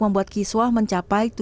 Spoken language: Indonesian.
pembuatan kiswah dan melihat